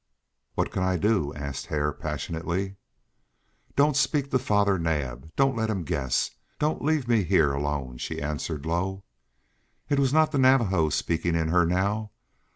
"What can I do?" asked Hare, passionately. "Don't speak to Father Naab. Don't let him guess. Don't leave me here alone," she answered low. It was not the Navajo speaking in her now.